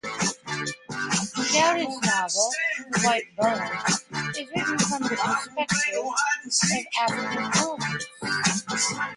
Gowdy's novel "The White Bone" is written from the perspective of African elephants.